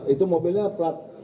itu mobilnya plat